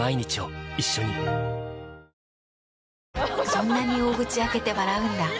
そんなに大口開けて笑うんだ。